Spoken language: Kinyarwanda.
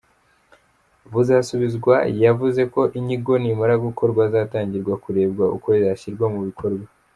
Busabizwa yavuze ko inyigo nimara gukorwa, hazatangirwa kurebwa uko yashyirwa mu bikorwa.